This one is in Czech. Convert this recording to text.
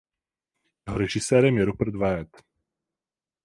Jeho režisérem je Rupert Wyatt.